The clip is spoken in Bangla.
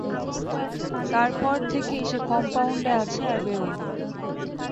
তারপর থেকেই সে কম্পাউন্ডে আছে আর বেরোয়নি।